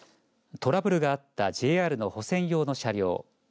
トラブルがあったＪＲの保線用の車両。